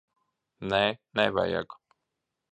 Nē, nevajag.